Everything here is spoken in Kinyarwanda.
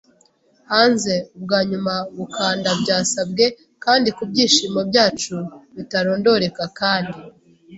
hanze. Ubwanyuma gukanda byasabwe, kandi, kubyishimo byacu bitarondoreka kandi